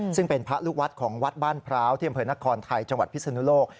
ซึ่งเป็นพระลูกวัดของวัดบ้านพร้าวที่อำเภอนครไทยจังหวัดพิศนุโลก